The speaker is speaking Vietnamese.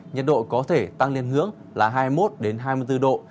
nhật độ có thể tăng lên hướng là hai mươi một đến hai mươi bốn độ